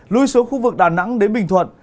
lui xuống khu vực đà nẵng đến bình thuận